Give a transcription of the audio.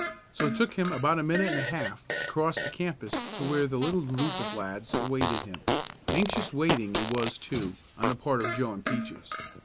So it took him about a minute and a half to cross the campus to where the little group of lads awaited him anxious waiting it was too, on the part of Joe and Peaches.